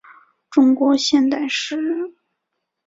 中国现代诗人。